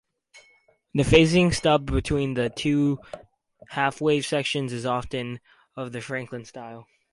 The phasing stub between the two half-wave sections is often of the Franklin style.